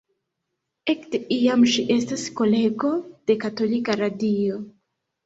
Ekde iam ŝi estas kolego de katolika radio.